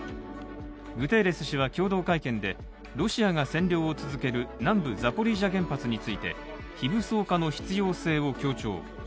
グテーレス氏は共同会見でロシアが占領を続ける南部ザポリージャ原発について、非武装化の必要性を強調。